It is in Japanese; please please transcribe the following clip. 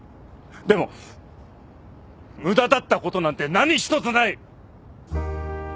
でも無駄だったことなんて何一つない。